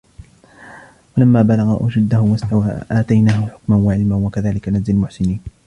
وَلَمَّا بَلَغَ أَشُدَّهُ وَاسْتَوَى آتَيْنَاهُ حُكْمًا وَعِلْمًا وَكَذَلِكَ نَجْزِي الْمُحْسِنِينَ